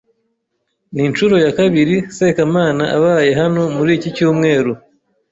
Ni inshuro ya kabiri Sekamana abaye hano muri iki cyumweru